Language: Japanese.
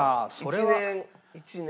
１年１年？